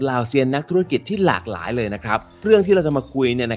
เซียนนักธุรกิจที่หลากหลายเลยนะครับเรื่องที่เราจะมาคุย